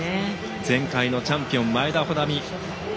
前回のチャンピオン前田穂南。